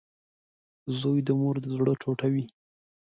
• زوی د مور د زړۀ ټوټه وي.